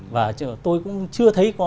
và tôi cũng chưa thấy có